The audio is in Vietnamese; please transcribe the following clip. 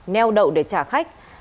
neo đậu để trả khách